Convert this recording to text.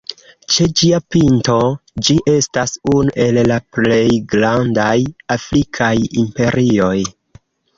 Ĉe ĝia pinto, ĝi estas unu el la plej grandaj afrikaj imperioj.